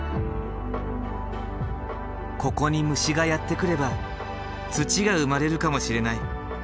ここに虫がやって来れば土が生まれるかもしれない。